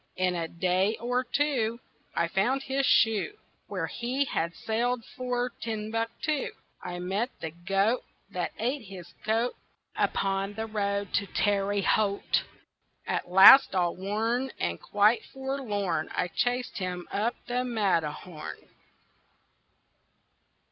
In a day or two I found his shoe Where he had sailed for Timbuktu. I met the goat That ate his coat Upon the road to Terre Haute. At last all worn And quite forlorn I chased him up the Matterhorn.